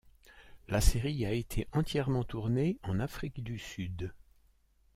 La série a été entièrement tournée en Afrique du Sud.